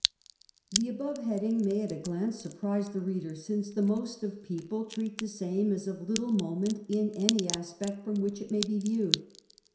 The above heacliBg may at a glance surprise the reader, since the most of people treat the same as of but little moment in any aspect from which it may be viewed.